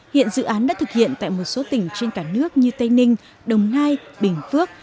hiện dự án đã thực hiện tại một số tỉnh trên cả nước như tây ninh đồng nai bình phước